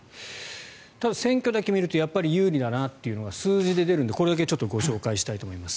ただ選挙だけ見るとやっぱり有利だなというのが数字で出るのでこれだけご紹介したいと思います。